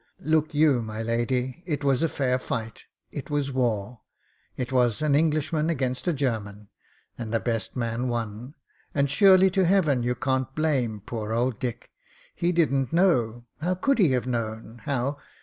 ... Look you, my lady, it was a fair fight — it was war — it was an Englishman against a German; and the best man won. And surely to Heaven you can't Uame poor old Dick? He didn't know; how could he have known, how